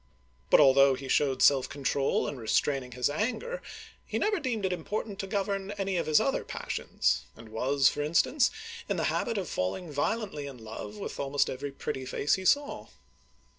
But although he Digitized by Google HENRY IV. (1589 1610) 281 showed self control in restraining his anger, he never deemed it important to govern any of his other passions, and was, for instance, in the habit of falling violently in love with almost every pretty face he saw.